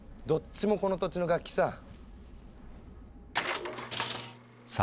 どっちもこの土地の楽器さ。